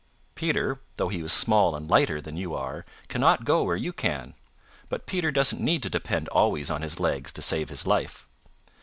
Peter, though he is small and lighter than you are, cannot go where you can. But Peter doesn't need to depend always on his legs to save his life.